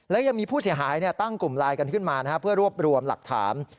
และยังมีผู้เสียหายตั้งกลุ่มไลน์กันขึ้นมาเพื่อรวบรวมหลักฐาน